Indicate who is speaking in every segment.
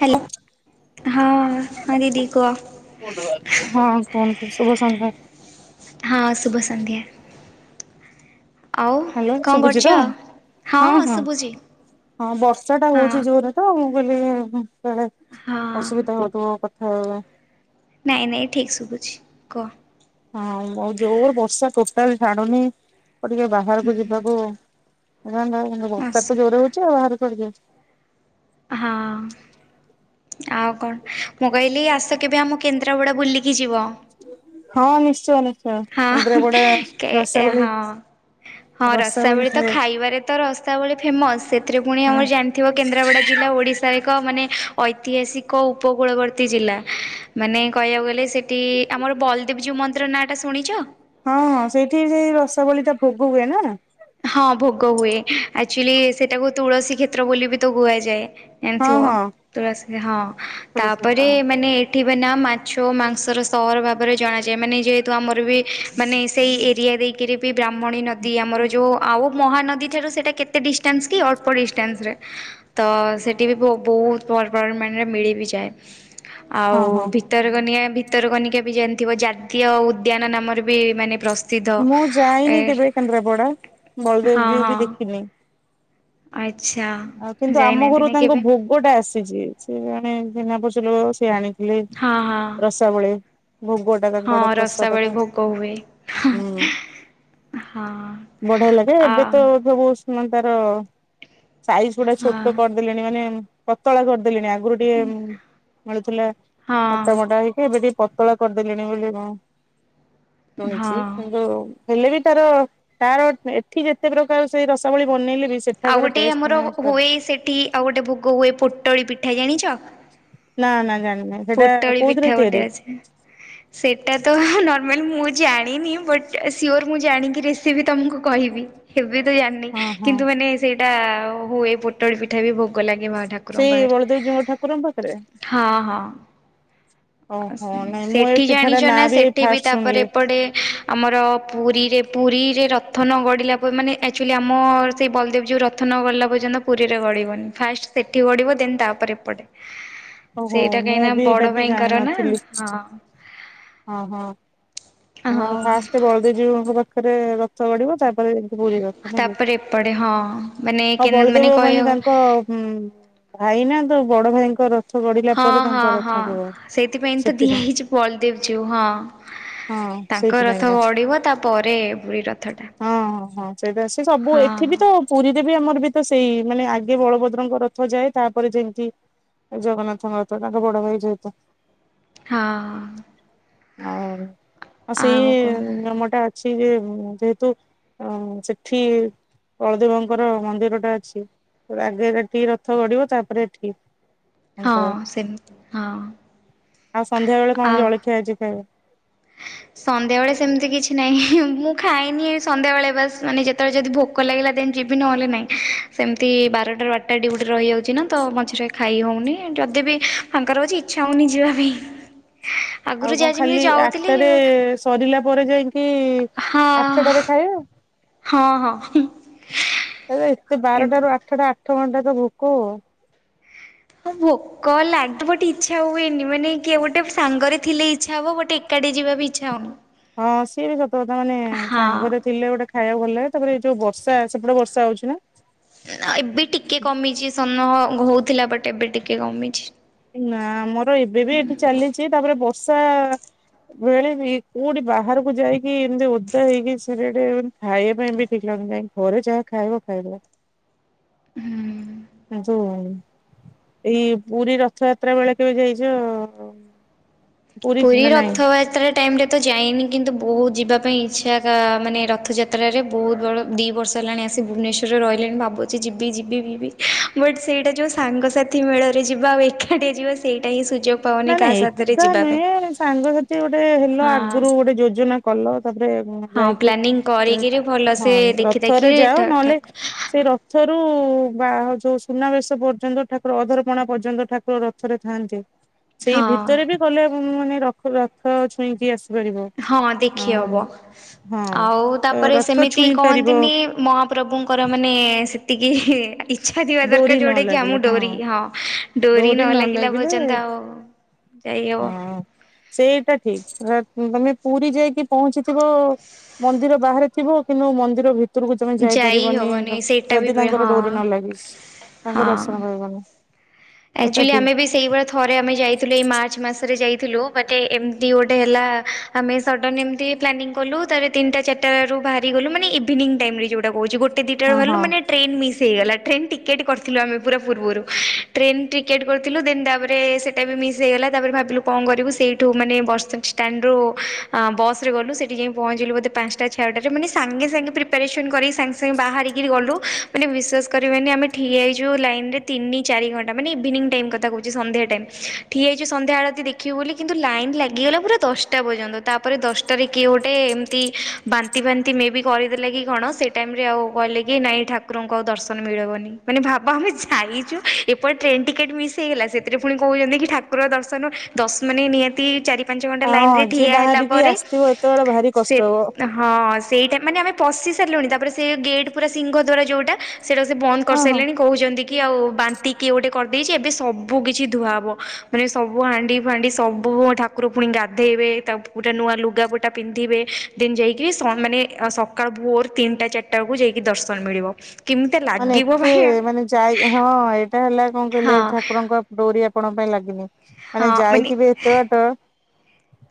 Speaker 1: Hello ହଁ ହଁ ଦିଦି କୁହ
Speaker 2: [unintelligible]
Speaker 1: ହଁ, ଶୁଭ ସନ୍ଧ୍ୟା। ଆଉ
Speaker 2: ହ୍ୟାଲୋ
Speaker 1: କଣ
Speaker 2: ଶୁଭୁଛି
Speaker 1: କରୁଛ?
Speaker 2: ତ
Speaker 1: ହଁ ଶୁଭୁଛି।
Speaker 2: ହଁ ବର୍ଷା ଟା
Speaker 1: ହଁ
Speaker 2: ହେଉଛି ଯୋରରେ ତ ମୁଁ କହିଲି କାଳେ
Speaker 1: ହଁ
Speaker 2: ଅସୁବିଧା ହଉଥବ କଥା ହେବା ପାଇଁ।
Speaker 1: ନାଇଁ, ନାଇଁ ଠିକ୍ ଶୁଖୁଛି କୁହ?
Speaker 2: ହଁ ଆଉ ଜୋର ବର୍ଷା କୋଟାଲି ଛାଡୁନି, ଆଉ ଟିକେ ବାହାରକୁ ଯିବାକୁ [inaudible]
Speaker 1: ଅସୁବିଧା ହଁ ଆଉ କଣ ମୁଁ କହିଲି ଆସ କେବେ ଆମ କେନ୍ଦ୍ର କେନ୍ଦ୍ରାପଡ଼ା ବୁଲିକି ଯିବ।
Speaker 2: ହଁ ନିଶ୍ଚୟ।
Speaker 1: ହଁ
Speaker 2: ଇନ୍ଦ୍ରାପଡା
Speaker 1: କେ
Speaker 2: ରସାବଳି
Speaker 1: ହଁ। ହଁ ରସାବଳି ତ ଖାଇବାରେ ତ ରସାବଳି ଫେମସ୍ ସେଥିରେ ପୁଣି ଆମର ଜାଣି ଥିବ କେନ୍ଦ୍ରାପଡ଼ା ଜିଲ୍ଲା ଓଡ଼ିଶାର ଏକ ମାନେ ଐତିହାସିକ ଉପକୂଳବର୍ତ୍ତୀ ଜିଲ୍ଲା। ମାନେ କହିବାକୁ ଗଲେ ସେଠି ଆମର ବଲଦେବଜିଉ ମନ୍ଦିର ନାଁଟା ଶୁଣିଛ?
Speaker 2: ହଁ ହଁ ସେଇଠି ସେ ରସାଵଳି ଟା ଭୋଗ ହୁଏ ନା।
Speaker 1: ହଁ ଭୋଗ ହୁଏ ଆକ୍ଚୁଆଲି ସେଟାକୁ ତୁଳସୀ କ୍ଷେତ୍ର ବୋଲି ବି ତ କୁହାଯାଏ।
Speaker 2: ହଁ
Speaker 1: ଏମିତିଥିବ
Speaker 2: ହଁ
Speaker 1: ତୁଳସୀରେ ହଁ
Speaker 2: ତୁଳସୀ
Speaker 1: ତାପରେ
Speaker 2: ପତ୍ର
Speaker 1: ମାନେ ଉଠିବେ ନା ମାଛ ମାଂସର ସହର ଭାବରେ ଜଣାଯାଏ ମାନେ ଯେହେତ ତ ଆମର ବି ମାନେ ସେଇ ଏରିଆ ଦେଇକିରି ବି ବ୍ରାହ୍ମଣୀ ନଦୀ ଆମର ଯେଉଁ ଆଉ ମହାନଦୀ ଠାରୁ ସେଇଟା କେତେ ଡିଷ୍ଟାନ୍ସ କି ଅଳ୍ପ ଡିଷ୍ଟାନ୍ସ ରେ। ତ ସେଠି ବି ବହୁତ ପରିମାଣରେ ମାନେ ମିଳି ବି ଯାଏ ଆଉ
Speaker 2: ହଁ ହଁ
Speaker 1: ଭିତରକନିକା ଭିତରକନିକା ବି ଜାଣିଥିବ ଜାତୀୟ ଉଦ୍ୟାନ ନାମରେ ବି ମାନେ ପ୍ରସ୍ତୁ
Speaker 2: ମୁଁ ଯାଇନି କେବେ କେନ୍ଦ୍ରାପଡା
Speaker 1: ହଁ
Speaker 2: ବଳଦେବଜୀଉ ବି
Speaker 1: ହଁ।
Speaker 2: ଦେଖିନି।
Speaker 1: ଆଚ୍ଛା।
Speaker 2: ଆଉ କିନ୍ତୁ ଆମ
Speaker 1: ଯାଇନାହାନ୍ତି
Speaker 2: ଘରୁ
Speaker 1: ନାଇଁ
Speaker 2: ତାଙ୍କୁ
Speaker 1: କେବେ?
Speaker 2: ଭ ଭୋଗଟା ଆସିଛି ସିଏ ଜଣେ ଚିହ୍ନା ପରିଛ ଲୋକ ସିଏ ଆଣିଥିଲେ
Speaker 1: ହଁ ହଁ
Speaker 2: ରସ ସାବଳି ଭୋଗଟା ତାଙ୍କର
Speaker 1: ହଁ
Speaker 2: ପ୍ରସାଦ
Speaker 1: ରସାବଳି
Speaker 2: ହୁଁ
Speaker 1: ଭୋଗ ହୁଏ। ହଁ
Speaker 2: ବଢିଆ ଲାଗେ
Speaker 1: ଆ
Speaker 2: ଏବେ ତ ସବୁ ତାର ସାଇଜ ଗୁଡା
Speaker 1: ହଁ
Speaker 2: ଛୋଟ କରିଦେଲେଣି ମାନେ ପତଳା କରିଦେଲେଣି ଆଗରୁ ଟିକେ ମିଳୁଥିଲା ମୋଟା
Speaker 1: ହଁ
Speaker 2: ମୋଟା ହେଇକି ଏବେ ଟିକେ ପତଳା କରିଦେଲିଣି ବୋଲି ମୁଁ ଶୁଣିଛି
Speaker 1: ହଁ।
Speaker 2: କିନ୍ତୁ ହେଲେ ବି ତାର ତାର ଏଠି ଯେତେ ପ୍ରକାର ସେ ରସାବଳି ବନେଇଲେ ବି
Speaker 1: ଆଉ
Speaker 2: ସେଠାକାର
Speaker 1: ଗୋଟେ
Speaker 2: ଟେଷ୍ଟ
Speaker 1: ଆମର ହୁଏ ସେଠି ଆଉ ଗୋଟେ ଭୋଗ ହୁଏ ପୋଟଳି ପିଠା ଜାଣିଛ?
Speaker 2: ନା ନା ଜାଣିନି ସେଟା
Speaker 1: ପୋଟଳି ପିଠା
Speaker 2: କୋଉଥିରେ
Speaker 1: ଗୋଟେ
Speaker 2: ତିଆରି
Speaker 1: ଅଛି। ସେଇଟା ତ ନର୍ମାଲି ମୁଁ ଜାଣିନି ବଟ୍ ସିଓର୍ ମୁଁ ଜାଣିକି ରେସିପି ତମକୁ କହିବି। କେବେତ ଜାଣିନି
Speaker 2: ହଁ ହଁ।
Speaker 1: କିନ୍ତୁ ମାନେ ସେଇଟା ହୁଏ ପୋଟଳ ପିଠା ବି ଭୋଗ ଭୋଗଲାଗିବ ଠାକୁରଙ୍କ
Speaker 2: ସେଇ
Speaker 1: ପାଖରେ
Speaker 2: ବଳଦେବଜୀଉଙ୍କ ଠାକୁରଙ୍କ ପାଖରେ?
Speaker 1: ହଁ ହଁ। ଆ
Speaker 2: ଓହୋ
Speaker 1: ସେ
Speaker 2: ନାଇଁ ମୁଁ ଏ
Speaker 1: ସେଠି
Speaker 2: ପିଠାଟା
Speaker 1: ଜାଣିଚ ନାଁ
Speaker 2: ଏଇ
Speaker 1: ସେଠି ବି
Speaker 2: ଫାଷ୍ଟ
Speaker 1: ତାପରେ
Speaker 2: ଶୁଣିଲି
Speaker 1: ଏପଟେ ଆମର ପୁରୀରେ ପୁରୀରେ ରଥ ନ ଗଡ଼ିଲା ପ ମାନେ ଆଚୁଲି ଆମ ସେଇ ବଲଦେବ ଜୀଉ ର ଥ ନ ଗଡ଼ିଲା ପର୍ଯ୍ୟନ୍ତ ପୁରୀରେ ଗଡ଼ିବନି। ଫାଷ୍ଟ ସେଠି ଗଡ଼ିବ ଦେନ୍ ତାପରେ ଏପଟେ।
Speaker 2: ଓହୋ
Speaker 1: ସେଇଟା
Speaker 2: ମୁଁ
Speaker 1: କାହିଁକି ନା
Speaker 2: ବି
Speaker 1: ବଡ଼
Speaker 2: ଏଇଟା ବି
Speaker 1: ଭାଇଙ୍କର ନା
Speaker 2: ଜାଣିିନଥିଲି।
Speaker 1: ହଁ
Speaker 2: ଅଁ ହଁ ହଁ ମାନେ
Speaker 1: ହଉ
Speaker 2: ଫାଷ୍ଟ ବଳଦେବଜୀଉଙ୍କ ପାଖରେ ରଥ ଗଡ଼ିବ ତା ପରେ ତେ ପୁରୀ ରଥ ନାଁ କି?
Speaker 1: ତାପରେ ଏପଟେ ହଁ ମାନେ
Speaker 2: ଆଉ ବଳଦେବ ମାନେ
Speaker 1: କହିବାକୁ
Speaker 2: ତାଙ୍କ ଉଁ ଭାଇନା ତ ବଡ ଭାଇଙ୍କ ର
Speaker 1: ହଁ ହଁ ହଁ ସେଇଥିପାଇଁ ତ ଦିଆ
Speaker 2: ସେଥିପାଇଁ।
Speaker 1: ହେଇଚି ବଳଦେବଜୀଉ ହଁ।
Speaker 2: ହଁ
Speaker 1: ତାଙ୍କ ରଥ
Speaker 2: ସେଇଥିପାଇଁକା
Speaker 1: ଗଡି଼ବ ତାପରେ ପୁରୀ ରଥଟା।
Speaker 2: ହଁ ହଁ ହଁ ସେଇଟା ସେ ସବୁ ଏଠି
Speaker 1: ହଁ
Speaker 2: ବି ତ ପୁରୀରେ ବି ଆମର ବି ତ ସେଇ ମାନେ ଆଗେ ବଳଭଦ୍ରଙ୍କ ରଥ ଯାଏ ତାପରେ ଯେମତି ଏ ଜଗନ୍ନାଥଙ୍କର ତ ତାଙ୍କ ବଡ଼ ଭାଇ ଯେହତୁ।
Speaker 1: ହଁ
Speaker 2: ଆଉ ଆଉ ସେଇ ମେମଟା ସିଏ ଯେ ଯେହେତୁ ଅଁ ସେଠି ବଳଦେବଙ୍କର ମନ୍ଦିରଟା ଅଛି ରାଗେ ରେଟି ରଥ ଗଡି଼ବ ତାପରେ ଏଠି।
Speaker 1: ହଁ
Speaker 2: ତାଙ୍କର
Speaker 1: ସେମ୍ ହଁ।
Speaker 2: ଆଉ ସନ୍ଧ୍ୟା ବେଳେ କଁ ଜଳିଖିଆ ଆଜି ଖାଇବ?
Speaker 1: ସନ୍ଧ୍ୟା ବେଳେ ସେମତି କିଛି ନାହିଁ ମୁଁ ଖାଏନି ଏ ସନ୍ଧ୍ୟା ବେଳେ ବାସ୍ ମାନେ ଯେତଳେ ଯଦି ଭୋ କ ଲାଗିଲା ଦେନ୍ ଯିବି ନହେଲେ ନାଇଁ ସେମତି ବାରଟାରୁ ଆଠଟା ଡିଉଟି ରହିଯାଉଚି ନା ତ ମଝିରେ ଖାଇ ହଉନି ଯଦି ବିି ଫାଙ୍କା ରହୁଚି ଇଚ୍ଛା ହଉନି ଯିବା ପାଇଁ। ଆଗରୁ
Speaker 2: ଆଉ କଁ
Speaker 1: ଯାହା ଯେମିତି
Speaker 2: ଖାଲି ଆ
Speaker 1: ଯାଉଥିଲି
Speaker 2: ଟାରେ ସରିଲା ପରେ ଯାଇକି
Speaker 1: ହଁ
Speaker 2: ଆଠଟାରେ ଖାଇବେ?
Speaker 1: ହଁ ହଁ।
Speaker 2: ଏରା ଏତେ
Speaker 1: ଏମତି
Speaker 2: ବାରଟାରୁୁ ଆଠଟା ଆଠ ଘଣ୍ଟା ତ ଭୋକ ହୁଅ।
Speaker 1: ହଁ ଭୋ କଲା ବଟ୍ ଇଚ୍ଛା ହୁଏନି ମାନେ କିଏ ଗୋଟେ ସାଙ୍ଗରେ ଥିଲେ ଇଚ୍ଛା ହବ ବଟ୍ ଏକାଟିଆ ଯିବାକୁ ଇଚ୍ଛା ହୋଉନି।
Speaker 2: ହଁ ସିଏ ବି ସତ କଥା ମାନେ ସାଙ୍ଗରେ ଥିଲେ ଗୋଟେ ଖାଇବାକୁ ଭଲ ଲାଗେ ତାପରେ ଏ ଯୋଉ ବର୍ଷା ସେପଟେ ବର୍ଷା ହଉଚି ନା?
Speaker 1: ନା ଏବେ ଟିକେ କମିଚି ସହ୍ନ ହଉଥିଲା ବଟ୍ ଏବେ ଟିକେ କମିଛି।
Speaker 2: ନାଁ ଆମର ଏବେ ବି ଏଠି ଚାଲିଚି ତାପରେ ବର୍ଷା ଭେରି ଭି କୋଉଠି ବାହାରୁକୁ ଯାଇକି ଏମତି ଓଦା ହେଇକି ସେରେଡ଼େ ମାନଜ ଖାଇବା ପାଇଁ ବି ଠିକ୍ ଲାଗୁନାଇଁ। ପରେ ଯାହା ଖାଇବ ଖାଇବ। କିନ୍ତୁ ଏଇ ପୁରୀ ର ଥଯାତ୍ରା ବେଳେ କେବେ ଯାଇଚ ଅ
Speaker 1: ପୁରୀ ରଥଆତ୍ରେ ଟାଇମ୍ ରେ ତ ଯାଇନି କିନ୍ତୁ ବୋହୁତ ଯିବା ପାଇଁ ଇଚ୍ଛା କା ମାନେ ରଥଯାତ୍ରାରେ ବୋହୁତ ବଡ଼ ଦି ବର୍ଷ ହେଲାଣି ଆସି ଭୁବନେଶ୍ୱରରେ ରହିଲିଣି ଭାବୁଚି ଯିବି ଯିବି ଭିବି ବଟ୍ ସେଇଟା ଯୋଉ ସାଙ୍ଗସା ଥି ମେଳରେ ଯିବା ଆଉ ଏଖାଟିଆ ଯିବା ସେଇଟା ହିଁ ସୁଯୋଗ ପାଉନି କାହା ସାଥିରେ ଯିବା ପାଇଁ।
Speaker 2: ଏ ସାଙ୍ଗସାଥି ଗୋଟେ ହେଲ
Speaker 1: ହଁ
Speaker 2: ଆଗୁରୁ ଗୋଟେ ଯୋଜନା କଲ ତାପରେ
Speaker 1: ହଁ
Speaker 2: ଯାଇ ଇ
Speaker 1: ପ୍ଲାନିଂ କରିକିରି
Speaker 2: ତ
Speaker 1: ଭଲସେ
Speaker 2: ହଁ
Speaker 1: ଦେଖି ଦେଖି
Speaker 2: ରଥରେ ଯାଅ ନହେଲେ
Speaker 1: ଠାକ୍
Speaker 2: ସେଇ ରଥରୁ ବା ଯୋଉ ସୁନାବେଶ ପର୍ଯ୍ୟନ୍ତ ଠାକୁର ଅଧରପଣା ପର୍ଯ୍ୟନ୍ତ ଠାକୁର ରଥରେ ଥାଆନ୍ତି। ସେଇ
Speaker 1: ହଁ
Speaker 2: ଭିତରେ ବି ଗଲେ ମାନେ ର ରଥ ଛୁଇଁକି ଆସ୍
Speaker 1: ହଁ ଦେଖି ହବ ଆଉ ତାପରେ
Speaker 2: ରଥ
Speaker 1: ସେମିତି
Speaker 2: ଛୁଇଁ ପାରିବ
Speaker 1: କହନ୍ତିନି ମହାପ୍ରଭୁଙ୍କର ମାନେ ସେତିକି ଇ ଚ୍ଛା ଥିବା
Speaker 2: ଡୋରି
Speaker 1: ଦରକାର
Speaker 2: ନ
Speaker 1: ଯୋଉଟା କି
Speaker 2: ଲାଗିଲେ
Speaker 1: ଆମୁ ଡୋରି ହଁ ଡୋରି ନ ଲାଗିଲା ପର୍ଯ୍ୟନ୍ତ ଆଉ ଯାଇ ଅବ।
Speaker 2: ହଁ ସେଇଟା ଠିକ୍ ତମେ ପୁରୀ ଯାଇକି ପହଞ୍ଚିଥିବ ମନ୍ଦିର ବାହାରେ ଥିବ କିନ୍ତୁ ମନ୍ଦିର ଭିତ ଭିତରକୁ ତମେ
Speaker 1: ଯାଇ
Speaker 2: ଯାଇପାରିବନି
Speaker 1: ହବନି ସେଇଟା
Speaker 2: ଯଦି
Speaker 1: ବି
Speaker 2: ତାଙ୍କର
Speaker 1: ହଁ
Speaker 2: ଡୋରି ନ ଲାଗିଚି। ତାଙ୍କ
Speaker 1: ହଁ।
Speaker 2: ଦର୍ଶନ ପାଇବନି। ଏଇଟା
Speaker 1: ଆକ୍ଚୁଆଲି ଆମେ
Speaker 2: ଠିକ
Speaker 1: ବି ସେଇଭଳି ଥରେ ଆମେ ଯାଇଥିଲୁ ଏଇ ମାର୍ଚ୍ଚ ମାସରେ ଯାଇଥିଲୁ ବଟେ ଏମିତି ଗୋଟେ ହେଲା ଆମେ ସଡ଼ନ ଏମିତି ପ୍ଲାନିଂ କଲୁ ତାରେ ତିନିଟା ଚାରିଟାରୁ ବାହାରିଗଲୁ ମାନେ ଇଭିନିଂ ଟାଇମରେ ଯୋଉଟା କହୁଛି ଗୋଟେ ଦିଇଟା
Speaker 2: ହଁ
Speaker 1: ଗଲୁ
Speaker 2: ହଁ
Speaker 1: ମାନେ ଟ୍ରେନ୍ ମିସ୍ ହେଇଗଲା ଟ୍ରେନ ଟିକେଟ୍ କରିଥିଲୁ ଆମେ ପୁରା ପୂର୍ବରୁ ଟ୍ରେନ୍ ଟିକେଟ୍ କରିଥିଲୁ ଦେନ୍ ତାପରେ ସେଇଟା ବି ମିସ୍ ହେଇଗଲା। ତାପରେ ଭାବିଲୁ କଣ କରିବୁ? ସେଇଠୁ ମାନେ ବର୍ଷା ଷ୍ଟାଣ୍ଡରୁ ବସରେ ଗଲୁ ସେଠି ଯାଇ ପହଞ୍ଚିଲୁ ବୋଧେ ପାଞ୍ଚଟା ଛଅଟାରେ ମାନେ ସାଙ୍ଗେ ସାଙ୍ଗେ ପ୍ରିପାରେସନ କରି ସାଙ୍ଗେ ସାଙ୍ଗେ ବାହାରିକରି ଗଲୁ ମାନେ ବିଶ୍ୱାସ କରିବେନି ଆମେ ଠିଆହେଇଛୁ ଲାଇନ ତିନି ଚାରି ଘଣ୍ଟା ତା ମାନେ ଏଭିନିଙ୍ଗ ଟାଇମ କଥା କହୁଛି ସନ୍ଧ୍ୟା ଟାଇମ ଠିଆ ହେଇଛୁ ସଂଧ୍ୟା ଆଳତୀ ଦେଖିବୁ ବୋଲି କିନ୍ତୁ ଲାଇନ ଲାଗିଗଲା ପୁରା ଦଶ ଦଶଟା ପର୍ଯ୍ୟନ୍ତ ତାପରେ ଦଶଟା ରେ କିଏ ଗୋଟେ ଏମିତି ବାନ୍ତି ବାନ୍ତି ମେ ଵି କରିଦେଲା କି କଣ ଟାଇମ ରେ ଆଉ କହିଲେ କି ନାଇଁ ଠାକୁରଙ୍କୁ ଆଉ ଦର୍ଶନ ମିଳିବନି ମାନେ ଭାବ ଆମେ ଯାଇଛୁ ଏପଟେ ଟ୍ରେନ୍ ଟିକେଟ ମିସ୍ ହେଇଗଲା ସେଥିରେ ପୁଣି କହୁଚନ୍ତି କି ଠାକୁର ଦର୍ଶନ ଦଶ ମାନ ନିହାତି ଚାରି ପାଞ୍ଚ ଘଣ୍ଟା ଲାଇନ
Speaker 2: ହଁ
Speaker 1: ରେ
Speaker 2: ଯିଏ
Speaker 1: ଠିଆ ହେଲା
Speaker 2: ବାହାରିକି
Speaker 1: ପରେ
Speaker 2: ଆସିଥିବ ଏତେବେଳେ ଭାରି
Speaker 1: ସେ
Speaker 2: କଷ୍ଟ ହବ
Speaker 1: ହଁ ସେଇଟା ମାନେ ଆମେ ପଶି ସାରିଲୁଣି ତାପରେ ସେ ଗେଟ୍ ପୁରା ସିଂହ ଦ୍ୱାର ଯୋଉଟା ସେଇଟା ସେ ବନ୍ଦ
Speaker 2: ହଁ ହଁ
Speaker 1: କରିସାରିଲଣି କହୁଛନ୍ତି କି ଆଉ ବା ତିିକି ଗୋଟେ କରିଦେଇଚି ଏବେ ସବୁ କିଛି ଧୁଆ ହବ ମାନେ ସବୁ ହାଣ୍ଡି ଫାଣ୍ଡି ସବୁ ଠା ଠାକୁର ପୁଣି ଗାଧେଇବେ ତା ଗୋଟେ ନୂଆ ଲୁଗାପୁଟା ପିନ୍ଧିବେ ଦେନ୍ ଯାଇକି ସ ମାନେ ସ ସକାଳ ଭୋଅର ତିନିଟା ଚାରିଟା ବେଳକୁ ଯାଇକି ଦର୍ଶନ ମିଳିବ। କେମିତି
Speaker 2: ମାନେ
Speaker 1: ଲାଗିବ
Speaker 2: ଏତେ
Speaker 1: ଭାଇ
Speaker 2: ମାନେ ଯାଇ ହଁ ସେଟା ହେଲା କଣ କହିଲେ
Speaker 1: ହଁ
Speaker 2: ଠାକୁରଙ୍କ ଡୋରି ଆପଣଙ୍କ ପାଇଁ ଲାଗିନି ମାନେ
Speaker 1: ହଁ ମାନେ
Speaker 2: ଯାଇକିବି ଏତେ ବାଟ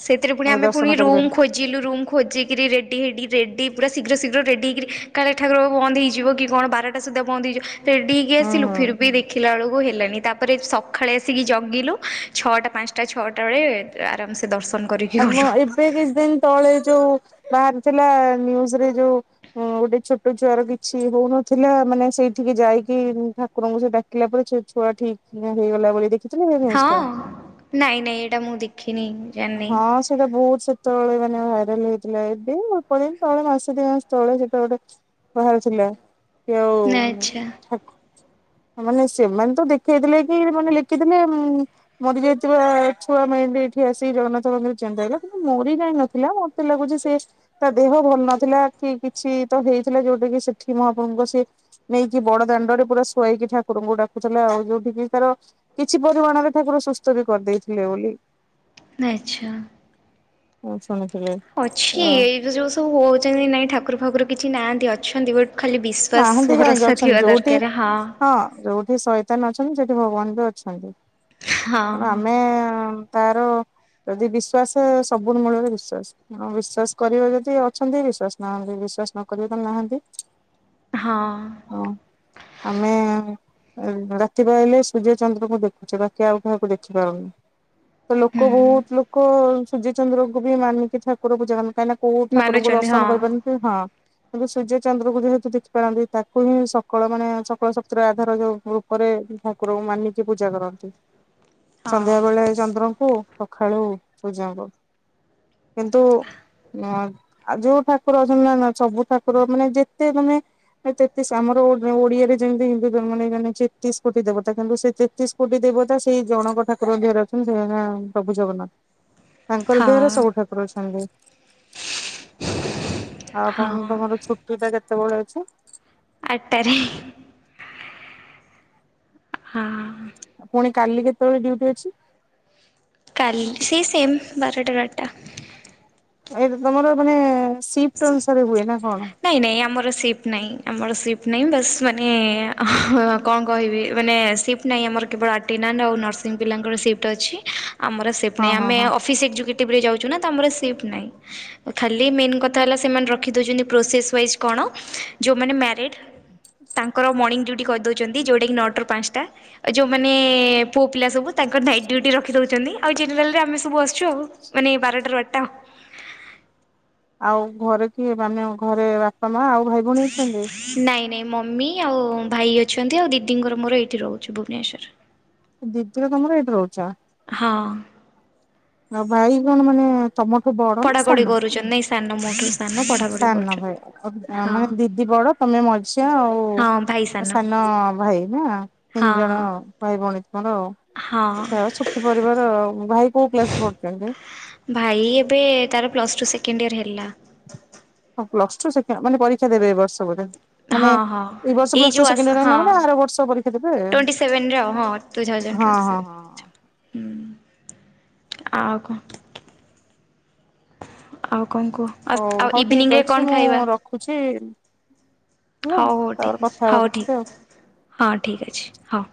Speaker 1: ସେଥିରେ ପୁଣି
Speaker 2: ଆଉ
Speaker 1: ଆମେ ପୁଣି
Speaker 2: ଦର୍ଶନ
Speaker 1: ରୁମ୍
Speaker 2: କରିପାରୁ
Speaker 1: ଖୋ ଖୋଜିଲୁ ରୁମ୍ ଖୋଜିକି ରେଡ଼ି ହେଇ ରେଡ଼ି ପୁରା ଶୀଘ୍ର ଶୀଘ୍ର ରେଡ଼ି ହୋଇକିରି କାଳେ ଠାକୁର ବନ୍ଦହେଇ ଯିବ କି କଣ ବାର ସୁଦ୍ଧା ବନ୍ଦହେଇଯିବ। ରେଡିି ହେଇକି
Speaker 2: ହୁଁ
Speaker 1: ଆସିଲୁ
Speaker 2: ହୁଁ
Speaker 1: ଫିର ବି ଦେଖି ଦେଖିଲା ଵେଳ କୁ ହେଲାନି ତାପରେ ସକାଳେ ଆସିକି ଜଗିଲୁ ଛଅଟା ପାଞ୍ଚଟା ଛଅଟା ବେଳେ ଆରାମ ସେ ଦର୍ଶନ। କରିକି
Speaker 2: ଆ
Speaker 1: ଗଲୁ।
Speaker 2: ଏବେ କିଛି ଦିନ ତଳେ ଯୋଉ ବାହାରିଥିଲା ନିଉଜ ରେ ଯୋଉ ହୁଁ ଗୋଟେ ଛୋଟ ଛୁଆର କିଛି ହଉନଥିଲା ମାନେ ସେଇଠିକି ଯାଇକି ଠାକୁରଙ୍କୁ ସେ ଡାକ ଡାକିଲା ପରେ ଛୁଆ ଠିକ୍ ହେଇଗଲା ବୋଲି ଦେଖି
Speaker 1: ହଁ ନାଇଁ ନାଇଁ ଏଇଟା ମୁଁ ଦେଖିନି। ଜାଣିନି
Speaker 2: ହଁ। ସେଇଟା ବହୁତ ସେତେବେଳେ ମାନେ ଭାଇରାଲ ହେଇଥିଲା ଏବେ ଅଳ୍ପ ଦିନ ତଳେ ମାସେ ଦି ମାସ ତଳେ ସେଟା ଗୋଟେ ବାହାରି ଥିଲା କି
Speaker 1: ନା ଆଚ୍ଛା
Speaker 2: ଆଉଠକୁ ମାନେ ସେମାନେ ତ ଦେଖେଇଥିଲେ କି ମାନେ ଲେଖିଥିଲେ ମୁଁ ମୋର ଦେଇଥିବା ଛୁଆ ମେଣ୍ଣ୍ଡ ଏଇଠି ଆସି ସେ ଜଗନ୍ନାଥ ମନ୍ଦିର ଚିନ୍ତେ ଆଇଲା କିନ୍ତୁ ମୋରି ଯାଇଁ ନଥିଲା ମତେ ଲାଗୁଚି ସେ ତା ଦେହ ଭଲ ନଥିଲା କି କିଛି ତ ହେଇଥିଲା ଯୋଉଟା କି ସେଠି ମହାପ୍ରଭୁଙ୍କ ସିଏ ନେଇକି ବଡ ଦାଣ୍ଡରେ ପୁରା ଶୁଆଇକି ଠାକୁରଙ୍କୁ ଡାକୁୁଥିଲା ଆଉ ଯୋଉଠିକି ତାର କିଛି ପରିମାଣରେ ଠାକୁର ସୁସ୍ଥ ବି କରିଦେଇଥିଲେ ବୋଲି
Speaker 1: ଆଛା।
Speaker 2: ମୁଁ ଶୁଣିୁଥିଲି।
Speaker 1: ଅଛି ଏଇ ଯୋଉ ସବୁ ହଉଛନ୍ତି ନାଇଁ ଠାକୁର ଫାକୁର କିଛି ନାହାନ୍ତି ଅଛନ୍ତି ବଟ ଖାଲି
Speaker 2: ନାହାନ୍ତି
Speaker 1: ବିଶ୍ୱାସ
Speaker 2: କାହିଁକି
Speaker 1: ଭରସା
Speaker 2: ଅଛନ୍ତି
Speaker 1: ଥିବା
Speaker 2: ଯୋଉଠି
Speaker 1: ଦରକାର ହଁ।
Speaker 2: ହଁ ରହୁ ସେଠି ସଇତାନ ଅଛନ୍ତି ସେଠି ଭଗବାନ ବି ଅଛନ୍ତି
Speaker 1: ହଁ
Speaker 2: ଆ
Speaker 1: ହଁ।
Speaker 2: ଆମେ ତାର ଯଦି ବିଶ୍ୱଵାସ ସବୁ ମୂଳରେ ବିଶ୍ୱାସ ହଁ ବିଶ୍ଵାସ କରିବା ଯଦି ଅଛନ୍ତି ବିଶ୍ଵାସ ନାହାନ୍ତି ବିଶ୍ଵାସ ନକ ତାଲେ ନାହାନ୍ତି।
Speaker 1: ହଁ।
Speaker 2: ହଁ ଆମେ ରାତି ବାହଲେ ସୂର୍ଯ୍ୟ ଚନ୍ଦ୍ରଙ୍କୁ ଦେଖୁଛେ ବାକି ଆଉ କାହାକୁ ଦେଖିପାରୁନି ତ ଲୋକ
Speaker 1: ହୁଁ
Speaker 2: ବହୁତ ଲୋକ ସୂର୍ଯ୍ୟ ଚନ୍ଦ୍ରଙ୍କୁ ବି ମାନିକି ଠାକୁର ପୂଜା କାହିଁକି କୋଉ ଠାକୁରଙ୍କୁ
Speaker 1: ମାନୁଛନ୍ତି ହଁ।
Speaker 2: ଦର୍ଶନ କରିପାରନି ହଁ କିନ୍ତୁ ସୂର୍ଯ୍ୟ ଚନ୍ଦ୍ର କ ଯେହେତୁ ଦେଖ କିଳନ୍ତି ତାକୁ ହିଁ ସକଳ ମାନେ ସକଳ ଶତତି ଆଧାର ଯୋଉ ରୂପରେ ଠାକୁରଙ୍କୁ ମାନିକି ପୂଜା କରନ୍ତି। ସନ୍ଧ୍ୟା
Speaker 1: ହଁ
Speaker 2: ବେଳେ ଚନ୍ଦ୍ରଙ୍କୁ ସଖାଳୁ ସୂର୍ଯ୍ୟ ଙ୍କୁ କିନ୍ତୁ ହଉ ଯୋଉ ଠାକୁର ଅଛନ୍ତି ନା ନା ସବୁ ଠାକୁର ମାନେ ଯେତେ ମାନେ ତେତିଶ ଆମର ଓଡିଆରେ ଯେମିତି ହିନ୍ଦୁ ଧର୍ମାନେ ତେତିଶ କୋଟି ଦେବତା କିନ୍ତୁ ସେ ତେତିଶ ଫୁଟି ଦେବତା ସେଇ ଜଣକ ଠାକୁରରେ ଅଛନ୍ତି ସେ ପ୍ରଭୁ ଜଗନ୍ନାଥ ତାଙ୍କର ଦେହରେ ସବୁ ଠାକୁର ଅଛନ୍ତି। ଆଉ କଣ
Speaker 1: ହଁ
Speaker 2: ତମର ଛୁଟି ଟା କେତେବେଳେ ଅଛି
Speaker 1: ଆଠଟାରେ। ହଁ।
Speaker 2: ପୁଣି କାଲି କେତେବେଳେ ଡ୍ୟୁଟି ଅଛି?
Speaker 1: କାଲି ସେ ସେମ୍ ବାରଟାରେ।
Speaker 2: ଏଇଟା ତମର ମାନେ ସିଫ୍ଟ ଅନୁସାରେ ହୁଏ ନା କଣ?
Speaker 1: ନାଇଁ ନାଇଁ ଆମର ସିପ୍ ନାହିଁ ଆମର ସିପ୍ ନାହିଁ ବାସ୍ ମାନେ କଣ କହିବି ମାନେ ସିପ୍ ସିଫ୍ ନାହିଁ ଆମର କେବଳ ଆର୍ଟିନାନ୍ ଆଉ ନର୍ସିଂ ପିଲଙ୍କର ସି୍ ଅଛିମର ସିଫ୍ଟ
Speaker 2: ହଁ
Speaker 1: ନାହି
Speaker 2: ହଁ
Speaker 1: ଆମେ
Speaker 2: ହଁ
Speaker 1: ଅଫି ଏକ୍ଜିକୁଟିଭରେ ଯାଉଛ ତମର ସିଫ୍ଟ ନାହିଁ ଖାଲି ମେନ୍ କଥା ହେଲା ସେମାନେ ରଖିଦଉଛନ୍ତି। ଣ ଯଉ ମଡ ତାଙ୍କର ମଣିଗ୍ କରି ଛନ୍ତି ଯେଉଁଟାକି ନଅଟାରୁ ପାଞ୍ଚଟା ଉ ଯୋଉମାନେ ପୁଅ ପିଲା ସବୁ ତାଙ୍କର ନାଇଟ୍ ଡୁଟି ରଖି ଦଉଛନ୍ତି ଆଉ ଜେନେରାଲ ରେ ଆମେ ସବୁ ଆସଛୁ ଆଉ। ମାନେ ବରଟରୁ ଅଟା
Speaker 2: ଆଉ ଘରେ କିଏ ଆମେ ଘରେ ବାପା ମା ଆଉ ଭାଇ ଭଉଣୀ ଅଛନ୍ତି?
Speaker 1: [inaudible] ନାଇଁ ନାଇଁ ମମି ଆଉ ଭାଇ ଅଛନ୍ତି ଆଉ ଦିଦିଙ୍କର ମୋର ଏଇଠି ରହୁଛି ଭୁବନେଶ୍ଵର।
Speaker 2: ଦିଦିର ତମର ଏଇଠି ରହୁଛ?
Speaker 1: ହଁ।
Speaker 2: ଆଉ ଭାଇ କଣ ମାନେ ତମ
Speaker 1: ପଢା ପଢି କରୁଛଛନ୍ତି ନାଇଁ ସାନ ମୋଠୁ ସାନ ପଢ଼ାପଢ଼ି
Speaker 2: ସାନ ନ
Speaker 1: କରୁଛନ୍ତି।
Speaker 2: ଭାଇ
Speaker 1: ହଁ
Speaker 2: ମାନେ ଦିଦି ବଡ ତମେ ମଝିଆ ଆଉ
Speaker 1: ହଁ ଭାଇ
Speaker 2: ସାନ ଭାଇ ନା ତିନି
Speaker 1: ହଁ
Speaker 2: ଜଣ ଭାଇ ଭଉଣୀ ତୁମର
Speaker 1: ହଁ ହଁ।
Speaker 2: ଯାହଉ ସୁଖୀ ପରିବାର ଆଉ। ଭାଇ କୋଉ କ୍ଲାସ୍ ପଢୁଚନ୍ତି?
Speaker 1: ଭାଇ ଏବେ ତାର ପ୍ଲସ୍ ଟୁ ସେକେଣ୍ଡ ଇୟର୍ ହେଲା।
Speaker 2: ଓ ପ୍ଲସ୍ ଟୁ ସେକେ-ମାନେ ପରୀକ୍ଷା ଦେବେ ଏ ବର୍ଷ ବୋଧେ? ମାନେ
Speaker 1: ହଁ ହଁ
Speaker 2: ଏଇ ବର୍ଷ
Speaker 1: ଏଇ
Speaker 2: ପ୍ଲସ୍ ଟୁ
Speaker 1: ଯୋଉ ଆସ
Speaker 2: ସେକେଣ୍ଡ୍ ଇୟର୍
Speaker 1: ହଁ
Speaker 2: ହେଲା ମାନେ ଆର ବର୍ଷ ପରୀକ୍ଷା ଦେବେ।
Speaker 1: ଟ୍ୱେଣ୍ଟି ସେଭେନରେ ଆଉ ହଁ ଟୁ ଥାଉଜେଣ୍ଟ୍
Speaker 2: ହଁ
Speaker 1: ଟ୍ୱେଣ୍ଟି
Speaker 2: ହଁ
Speaker 1: ସେଭେନ୍
Speaker 2: ହଁ।
Speaker 1: [unintelligible] ହୁଁ ଆଉ କଣ। ଆଉ କଣ କୁହ ଆ- ଆଉ ଇଭିନିଂ ରେ କଣ ଖାଇବା?
Speaker 2: ଖୁଚି ଉଆ
Speaker 1: ହଉ ହଉ ଠିକ୍
Speaker 2: ତାପରେ
Speaker 1: ଅଛି
Speaker 2: କଥା ହବା
Speaker 1: ହଉ ଠିକ୍
Speaker 2: ପଛରେ ଆଉ।
Speaker 1: ହଁ ଠିକ୍ ଅଛି। ହଉ।